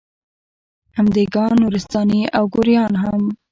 هم دېګان، نورستاني او ګوریان هم